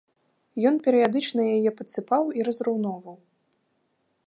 Ён перыядычна яе падсыпаў і разраўноўваў.